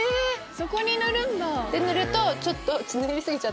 そこに塗るんだ。